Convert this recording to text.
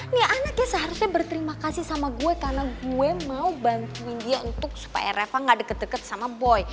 nih anaknya seharusnya berterima kasih sama gue karena gue mau bantuin dia untuk supaya reva gak deket deket sama boy